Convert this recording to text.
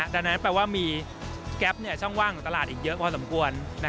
ดังนั้นแปลว่ามีแก๊ปช่องว่างของตลาดอีกเยอะพอสมควร